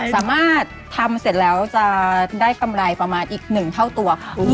สามารถทำเสร็จแล้วจะได้กำไรประมาณอีก๑เท่าตัวค่ะ